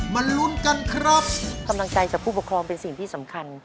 เป็นเล่นครับคนฟังใจจะผู้พักรองเป็นสิ่งที่สำคัญ